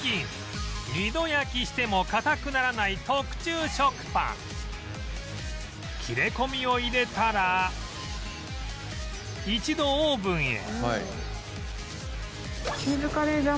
二度焼きしても硬くならない特注食パン切れ込みを入れたら一度オーブンへ